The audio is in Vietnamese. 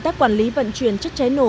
các quản lý vận chuyển chất cháy nổ